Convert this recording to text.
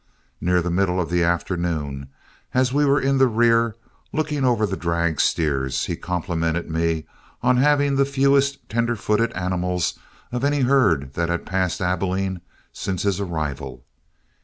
Near the middle of the afternoon, as we were in the rear, looking over the drag steers, he complimented me on having the fewest tender footed animals of any herd that had passed Abilene since his arrival.